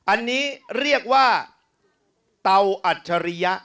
อันนี้เรียกว่าเตาอัจฉริยะ